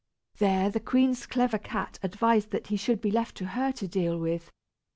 There, the queen's clever cat advised that he should be left to her to deal with.